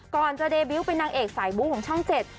ก่อนจะเดบิวต์เป็นนางเอกสายบู้ของช่องเจ็ด